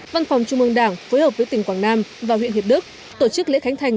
văn phòng trung mương đảng phối hợp với tỉnh quảng nam và huyện hiệp đức tổ chức lễ khánh thành